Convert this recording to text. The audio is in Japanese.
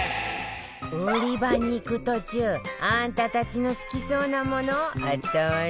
売り場に行く途中あんたたちの好きそうなものあったわよ